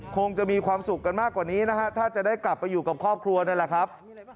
คงจะมีความสุขกันมากกว่านี้นะฮะถ้าจะได้กลับไปอยู่กับครอบครัวนั่นแหละครับ